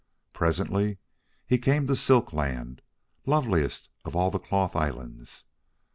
Presently he came to Silk Land, loveliest of all the Cloth Islands.